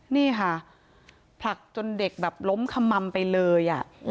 นี่ค่ะผลักจนเด็กแบบล้มขม่ำไปเลย